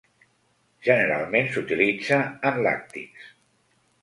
Generalment s'utilitza en làctics.